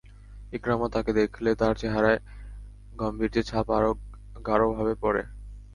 ইকরামা তাকে দেখলে তার চেহারায় গাম্ভীর্যের ছাপ আরো গাঢ়ভাবে পড়ে।